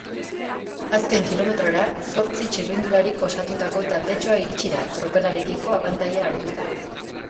Azken kilometrora zortzi txirrindularik osatutako taldetxoa iritsi da, tropelarekiko abantaila hartuta.